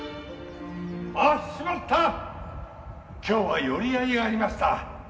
今日は寄り合いがありました。